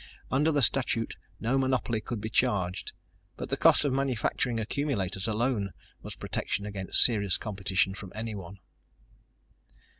Under the statute no monopoly could be charged, but the cost of manufacturing accumulators alone was protection against serious competition from anyone.